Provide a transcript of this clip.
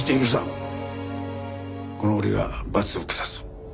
この俺が罰を下す。